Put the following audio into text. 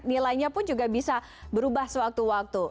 nilainya pun juga bisa berubah sewaktu waktu